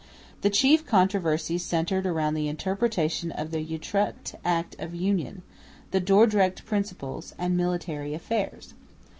The chief controversies centred around the interpretation of the Utrecht Act of Union, the Dordrecht principles, and military affairs.